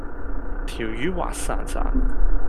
條魚滑潺潺